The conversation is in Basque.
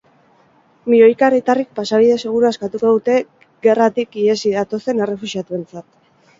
Milioika herritarrek pasabide segurua eskatuko dute gerratik ihesi datozen errefuxiatuentzat.